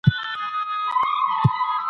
برسونه د اوبو څاڅکو سره ککړېږي.